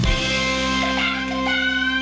เออนะฮะ